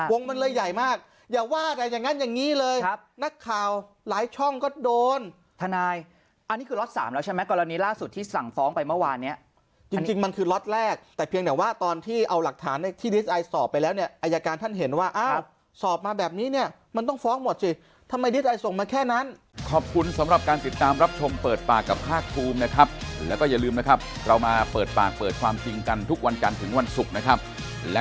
วงมันเลยใหญ่มากอย่าว่าแต่อย่างนั้นอย่างนี้เลยครับนักข่าวหลายช่องก็โดนทนายอันนี้คือล็อต๓แล้วใช่ไหมกรณีล่าสุดที่สั่งฟ้องไปเมื่อวานี้จริงมันคือล็อตแรกแต่เพียงแต่ว่าตอนที่เอาหลักฐานที่ดิสไอสอบไปแล้วเนี่ยอายการท่านเห็นว่าอ้าวสอบมาแบบนี้เนี่ยมันต้องฟ้องหมดสิทำไมดิสไอส่งมาแค่นั้